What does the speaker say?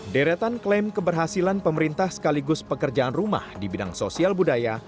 deretan klaim keberhasilan pemerintah sekaligus pekerjaan rumah di bidang sosial budaya